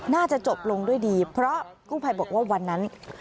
น่าจะจบลงด้วยดีเพราะกู้ภัยบอกว่าวันนั้น